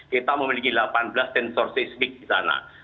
kita memiliki delapan belas sensor seismik di sana